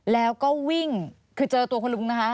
แล้วก็วิ่งคือเจอตัวคุณลุงนะคะ